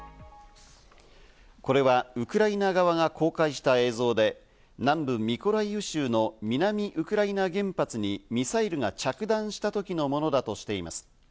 これはウクライナ側が公開した映像で、南部ミコライウ州の南ウクライナ原発にミサイルが着弾したときのものだとしています。